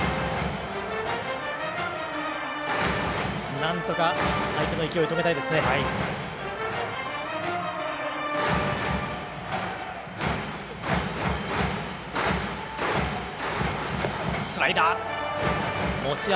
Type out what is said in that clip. なんとか相手の勢いを止めたいところ。